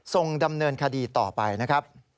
ส่งดำเนินคดีต่อไปนะครับ